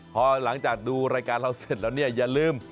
พอหลังจากดูรายการเราเสร็จแล้วเนี่ยอย่าลืม